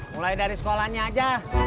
mulai dari sekolahnya aja